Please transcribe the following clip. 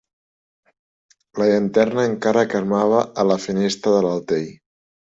La llanterna encara cremava a la finestra de l'altell.